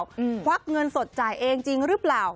ควักเงินสดจ่ายเองจริงหรือเปล่า